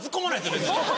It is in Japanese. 別に。